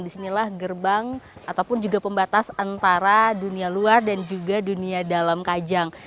disinilah gerbang ataupun juga pembatas antara dunia luar dan juga dunia dalam kajang